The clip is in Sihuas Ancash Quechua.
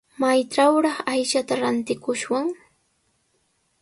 ¿Maytrawraq aychata rantikushwan?